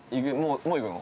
◆もう行くの？